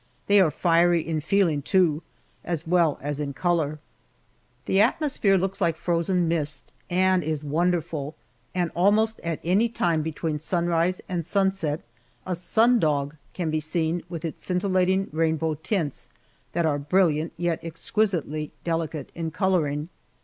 They are fiery in feeling, too, as well as in color. The atmosphere looks like frozen mist, and is wonderful, and almost at any time between sunrise and sunset a "sun dog" can be seen with its scintillating rainbow tints, that are brilliant yet exquisitely delicate in coloring.